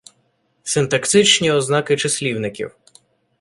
Синтаксичні ознаки числівників